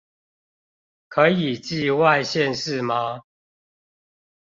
可以寄外縣市嗎